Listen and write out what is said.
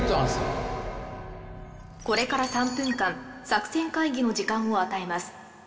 これから３分間作戦会議の時間を与えます。